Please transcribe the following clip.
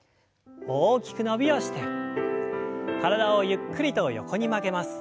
大きく伸びをして体をゆっくりと横に曲げます。